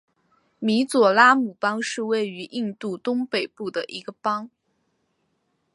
米佐拉姆邦是位于印度东北部的一个邦。